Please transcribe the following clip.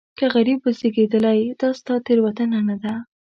که غریب وزېږېدلې دا ستا تېروتنه نه ده.